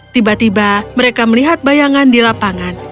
tiba tiba mereka melihat bayangan di lapangan